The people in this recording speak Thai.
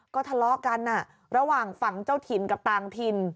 ก็ทะเลาะกันระหว่างฝั่งเจ้าถิ่นกับต่างถิ่น